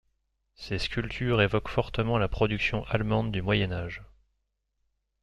Ses sculptures évoquent fortement la production allemande du Moyen Âge.